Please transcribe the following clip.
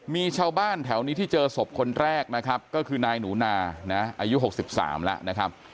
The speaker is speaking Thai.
มีชาวบ้านแถวนี้ที่เจอศพคนแรกนะครับก็คือนายหนูนานะอายุ๖๓แล้วนะครับ